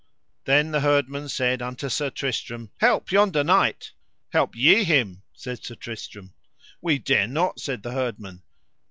Then the herdmen said unto Sir Tristram: Help yonder knight. Help ye him, said Sir Tristram. We dare not, said the herdmen.